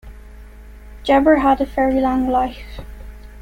Jabir had a very long life.